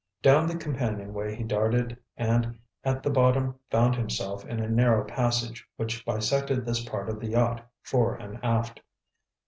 Down the companionway he darted and at the bottom found himself in a narrow passage which bisected this part of the yacht fore and aft.